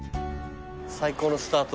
最高のスタート。